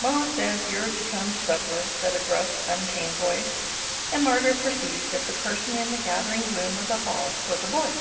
"Ma says you're to come to supper," said a gruff, untamed voice; and Margaret perceived that the person in the gathering gloom of the hall was a boy.